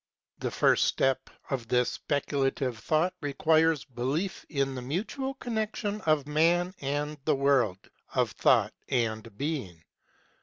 The first step of this Speculative Thought requires belief in the mutual connection of man and the world of Thought and Being.